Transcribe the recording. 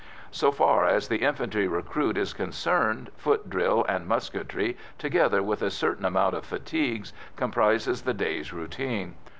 So far as the infantry recruit is concerned, foot drill and musketry, together with a certain amount of fatigues, comprise the day's routine.